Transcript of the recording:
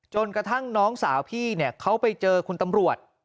จนกระทั่งน้องสาวพี่เขาไปเจอคุณตำรวจ